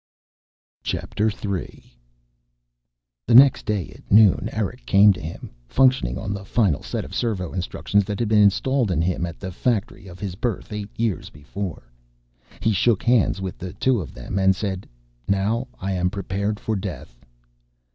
III The next day at noon Eric came to him, functioning on the final set of servo instructions that had been installed in him at the factory of his birth eight years before. He shook hands with the two of them and said: "Now I am prepared for death."